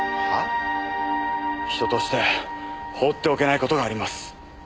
人として放っておけない事があります。